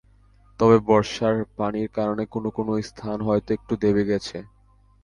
তবে বর্ষার পানির কারণে কোনো কোনো স্থান হয়তো একটু দেবে গেছে।